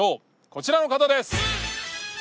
こちらの方です！